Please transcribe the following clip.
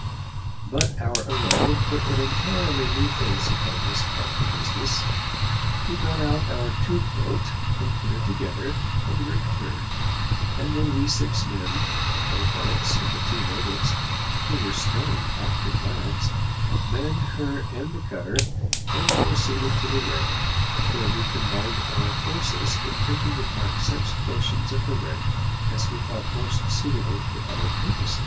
But our arrival put an entirely new phase upon this part of the business. We got out our tube boat, and put her together and rigged her; and then we six men four whites and the two natives, who were strong, active lads manned her and the cutter, and proceeded to the wreck, where we combined our forces in taking apart such portions of the wreck as we thought most suitable for our purpose.